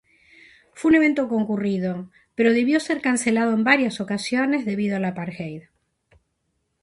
Fue un evento concurrido, pero debió ser cancelado en varias ocasiones debido al apartheid.